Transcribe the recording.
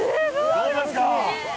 どうですか？